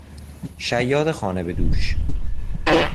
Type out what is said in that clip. شیاد خانهبهدوش